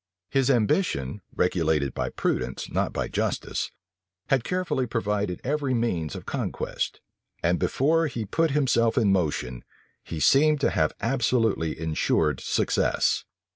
His ambition, regulated by prudence, not by justice, had carefully provided every means of conquest; and before he put himself in motion, he seemed to have absolutely insured success.